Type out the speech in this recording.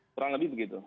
kurang lebih begitu